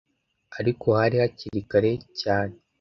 ariko hari hakiri kare cyane